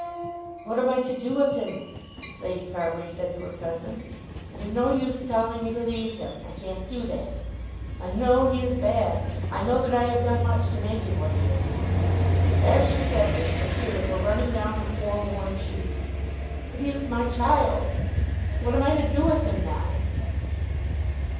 "What am I to do with him?" Lady Carbury said to her cousin. "It is no use telling me to leave him. I can't do that. I know he is bad. I know that I have done much to make him what he is." As she said this the tears were running down her poor worn cheeks. "But he is my child. What am I to do with him now?"